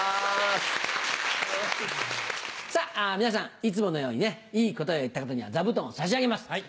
皆さんいつものようにねいい答えを言った方には座布団を差し上げます！